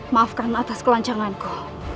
maafkan atas kelancanganku